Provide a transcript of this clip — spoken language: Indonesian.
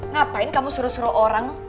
ngapain kamu suruh suruh orang